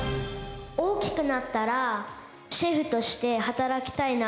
大きくなったら、シェフとして働きたいな。